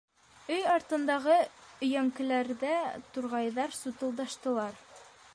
Өй артындағы өйәңкеләрҙә турғайҙар сутылдаштылар.